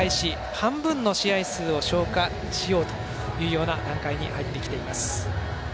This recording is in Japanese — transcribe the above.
半分の試合数を消化しようというような段階に入ってきています。